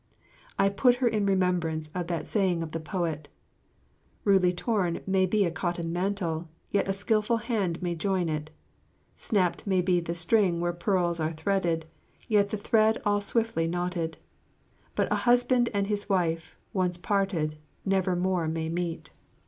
I put her in remembrance of that saying of the poet: "Rudely torn may be a cotton mantle, yet a skillful hand may join it; Snapped may be the string where pearls are threaded, yet the thread all swiftly knotted; But a husband and his wife, once parted, never more may meet."